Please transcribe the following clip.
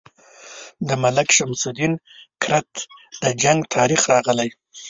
د ملک شمس الدین کرت د جنګ تاریخ راغلی.